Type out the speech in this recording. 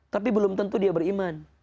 tapi belum tentu dia beriman